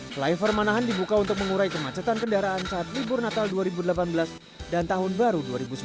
flyover manahan dibuka untuk mengurai kemacetan kendaraan saat libur natal dua ribu delapan belas dan tahun baru dua ribu sembilan belas